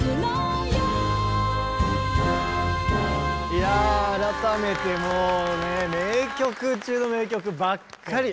いや改めてもうね名曲中の名曲ばっかり！